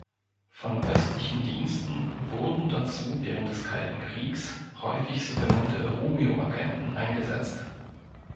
Von östlichen Diensten wurden dazu während des Kalten Kriegs häufig sogenannte Romeo-Agenten eingesetzt.